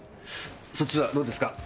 そっちはどうですか？